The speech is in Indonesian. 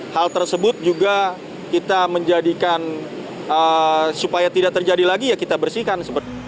hal tersebut juga kita menjadikan supaya tidak terjadi lagi ya kita bersihkan